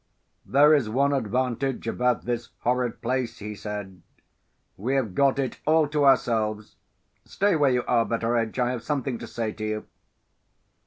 "There is one advantage about this horrid place," he said; "we have got it all to ourselves. Stay where you are, Betteredge; I have something to say to you."